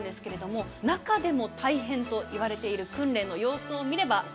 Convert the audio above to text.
中でも大変といわれている訓練の様子を見れば。